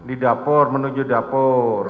di dapur menuju dapur